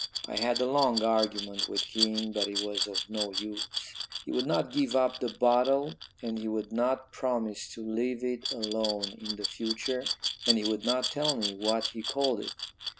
I had a long argument with him, but it was of no use. He would not give up the bottle and he would not promise to leave it alone in the future, and he would not tell me what he called it.